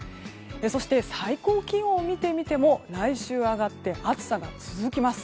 そして、最高気温を見てみても来週は上がって暑さが続きます。